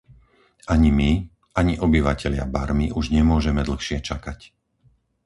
Ani my, ani obyvatelia Barmy už nemôžeme dlhšie čakať.